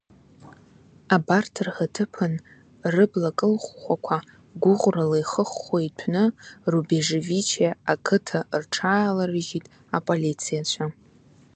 Абарҭ рхаҭыԥан, рыбла кылхәхәқәа гәыӷрыла ихыхәхәо иҭәны, Рубежевиче ақыҭа рҽааларыжьит аполицаицәа.